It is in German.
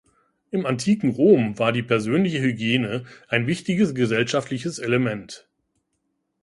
Im antiken Rom war die persönliche Hygiene ein wichtiges gesellschaftliches Element.